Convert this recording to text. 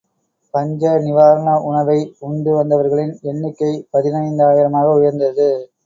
பஞ்ச நிவாரண உணவை உண்டு வந்தவர்களின் எண்ணிக்கை பதினைந்தாயிரமாக உயர்ந்தது.